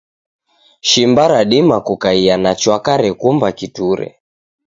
Shimba radima kukaia na chwaka rekumba kiture.